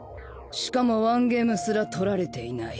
しかもワンゲームすら取られていない。